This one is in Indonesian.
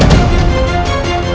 dan terima kasih